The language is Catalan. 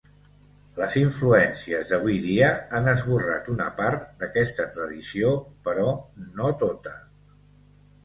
Les influències d'avui dia han esborrat una part d'aquesta tradició, però no tota.